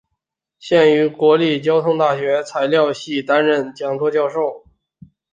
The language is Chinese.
现于国立交通大学材料系担任讲座教授。